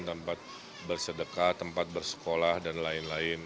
tempat bersedekah tempat bersekolah dan lain lain